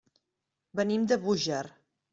Venim de Búger.